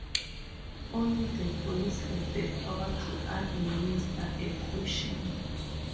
Only the police have the power to administer a caution.